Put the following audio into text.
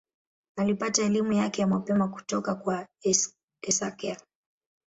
Alipata elimu yake ya mapema kutoka kwa Esakhel.